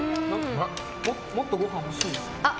もっとご飯欲しいです。